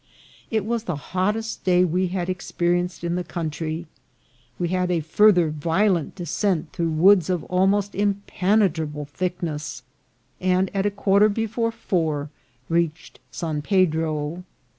It was the hottest day we had expe rienced in the country. We had a farther violent de scent through woods of almost impenetrable thickness, and at a quarter before four reached San Pedro.